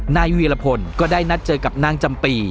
นายวีรพลก็ได้นัดเจอกับนางจำปี